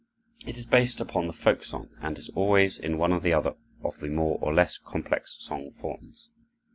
It is based upon the folk song and is always in one or the other of the more or less complex song forms.